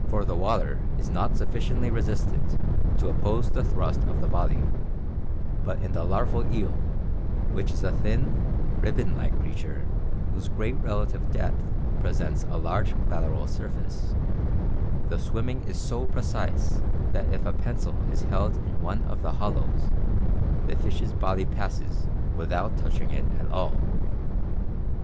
the water is not sufficiently resistant to oppose the thrust of the body, but in the larval eel, which is a thin ribbon like creature whose great relative depth presents a large lateral surface, the swimming is so precise that if a pencil is held in one of the hollows the fish's body passes without touching it at all.